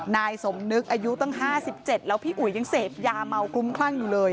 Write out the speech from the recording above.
นายสมนึกอายุตั้ง๕๗แล้วพี่อุ๋ยยังเสพยาเมาคลุ้มคลั่งอยู่เลย